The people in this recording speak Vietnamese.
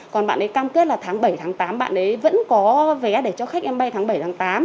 còn bạn ấy cam kết là tháng bảy tháng tám bạn ấy vẫn có vé để cho khách em bay tháng bảy tháng tám